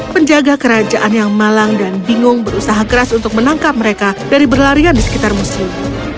penjaga kerajaan yang malang dan bingung berusaha keras untuk menangkap mereka dari berlarian di sekitar muslim